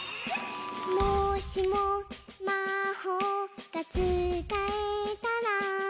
「もしもまほうがつかえたら」